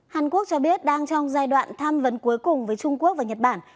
hàn quốc cho biết đang trong giai đoạn tham vấn cuối cùng với trung quốc và nhật bản